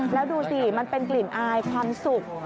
แล้วดูสิมันเป็นกลิ่นอายความสุข